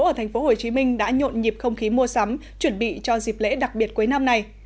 ở thành phố hồ chí minh đã nhộn nhịp không khí mua sắm chuẩn bị cho dịp lễ đặc biệt cuối năm này